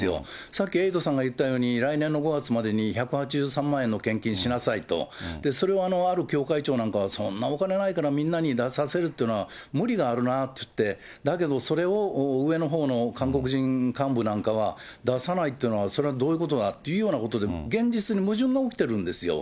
さっきエイトさんが言ったように、来年の５月までに１８３万円の献金しなさいと、それをある教会長なんかは、そんなお金ないから、みんなに出されるっていうのは無理があるなっていって、だけど、それを上のほうの韓国人幹部なんかは、出さないっていうのは、それはどういうことだっていうようなことで、現実に矛盾が起きてるんですよ。